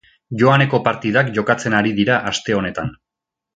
Joaneko partidak jokatzen ari dira aste honetan.